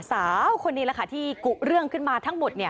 สาวคนนี้แหละค่ะที่กุเรื่องขึ้นมาทั้งหมด